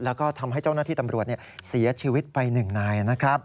แล้วก็ทำให้เจ้าหน้าที่ตำรวจเสียชีวิตไป๑นายนะครับ